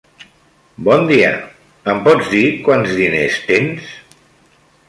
Bon dia, em pots dir quants diners tens?